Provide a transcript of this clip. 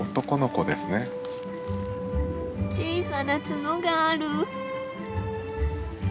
小さな角がある。